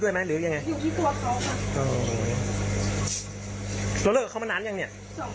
ตอนเค้าเลิกมาเป็นหมายเพื่อกลับมารุ้นวัย